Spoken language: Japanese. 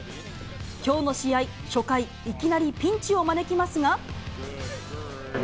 きょうの試合、初回、いきなりピンチを招きますが。